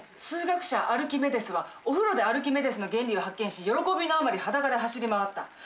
数学者アルキメデスはお風呂でアルキメデスの原理を発見し喜びのあまり裸で走り回った。